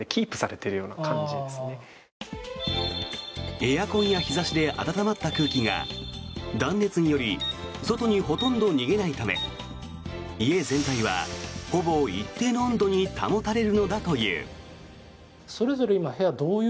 エアコンや日差しで暖まった空気が断熱により外にほとんど逃げないため家全体は、ほぼ一定の温度に保たれるのだという。